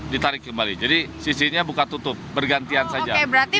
ditarik kembali jadi sisinya buka tutup bergantian saja